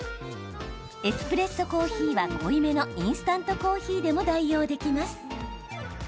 エスプレッソコーヒーは濃いめのインスタントコーヒーでも代用できます。